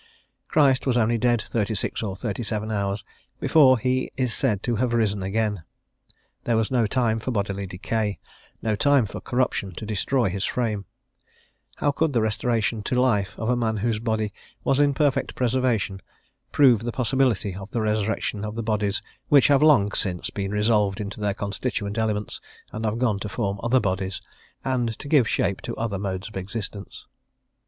Christ was only dead thirty six or thirty seven hours before he is said to have risen again; there was no time for bodily decay, no time for corruption to destroy his frame: how could the restoration to life of a man whose body was in perfect preservation prove the possibility of the resurrection of the bodies which have long since been resolved into their constituent elements, and have gone to form other bodies, and to give shape to other modes of existence?